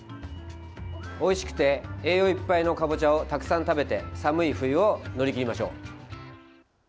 おいしくて栄養いっぱいのかぼちゃをたくさん食べて寒い冬を乗り切りましょう。